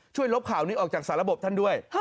ช่วยลบข่าวนี้ออกจากสารบบต้นด้วย